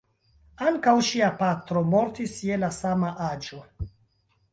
Ankaŭ ŝia patro mortis je la sama aĝo.